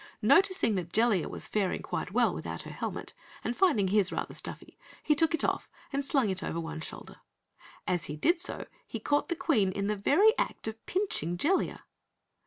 Noticing that Jellia was faring quite well without her helmet, and finding his rather stuffy, he took it off and slung it over one shoulder. As he did so he caught the Queen in the very act of pinching Jellia.